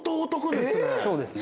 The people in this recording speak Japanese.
そうですね。